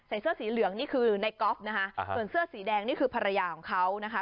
เสื้อสีเหลืองนี่คือในก๊อฟนะคะส่วนเสื้อสีแดงนี่คือภรรยาของเขานะคะ